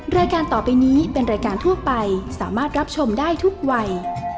รายการต่อไปนี้เป็นรายการทั่วไปสามารถรับชมได้ทุกวัย